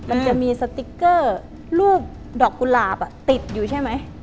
มันจะมีสติ๊กเกอร์รูปดอกกุหลาบติดอยู่ใช่ไหม